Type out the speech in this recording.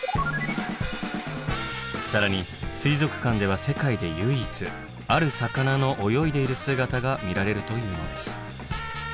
更に水族館では世界で唯一ある魚の泳いでいる姿が見られるというのです。